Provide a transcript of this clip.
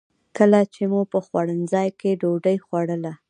کله چې مو په خوړنځای کې ډوډۍ خوړله.